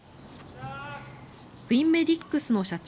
ウィンメディックスの社長